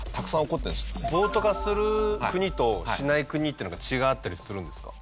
暴徒化する国としない国ってなんか違いがあったりするんですか？